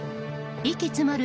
息詰まる